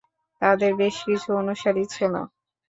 তাদের বেশ কিছু অনুসারী ছিল।